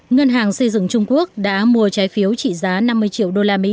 ngân hàng xây dựng trung quốc đã mua trái phiếu trị giá năm mươi triệu usd